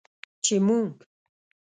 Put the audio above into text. چې موږ